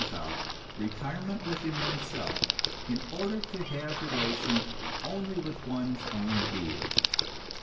123 out, retirement within oneself, in order to have relation only with one's own being.